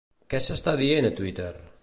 Què s'està dient a Twitter?